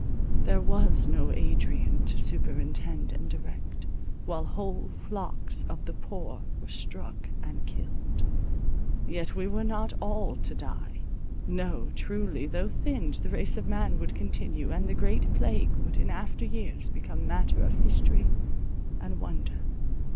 There was no Adrian to superintend and direct, while whole flocks of the poor were struck and killed. Yet we were not all to die. No truly, though thinned, the race of man would continue, and the great plague would, in after years, become matter of history and wonder.